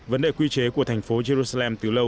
vấn đề quy chế của thành phố jerusalem từ lâu